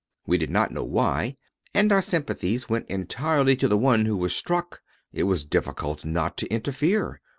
We did not know why and our sympathies went entirely to the one who was struck. It was difficult not to interfere.